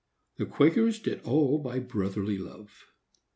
The Quakers did all by brotherly love.